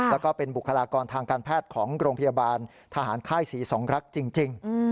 แล้วก็เป็นบุคลากรทางการแพทย์ของโรงพยาบาลทหารค่ายศรีสองรักจริง